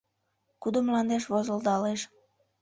Кудо мландеш возылдалеш?